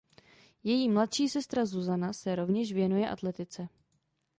Její mladší sestra Zuzana se rovněž věnuje atletice.